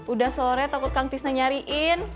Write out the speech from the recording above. udah sore takut kang tisnah nyariin